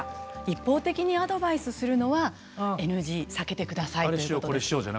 一方的にアドバイスするのは避けてください。